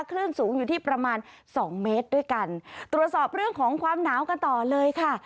คลื่นสูงอยู่ที่ประมาณสองเมตรด้วยกันตรวจสอบเรื่องของความหนาวกันต่อเลยค่ะ